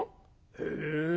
へえ。